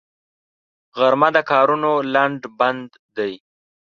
غرمه د کارونو لنډ بند دی